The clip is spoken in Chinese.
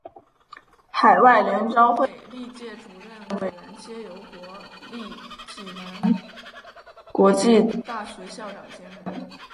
海外联招会历届主任委员皆由国立暨南国际大学校长兼任。